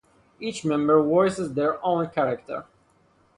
Each member voices their own character.